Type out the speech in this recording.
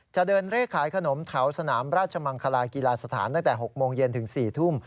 จะเดินเลขขายขนมแถวสนามราชมังคลากีฬาสถานตั้งแต่๖โมงเย็นถึง๔ทุ่ม